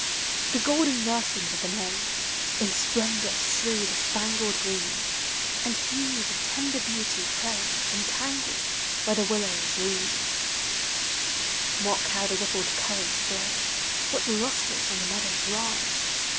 The golden nurslings of the May In splendor strew the spangled green, And hues of tender beauty play, Entangled where the willows lean. THE SEASONS. 93 Mark how the rippled currents flow ; What lustres on the meadows lie!